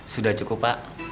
sudah cukup pak